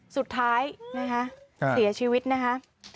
สุดท้ายนะคะเสียชีวิตนะคะ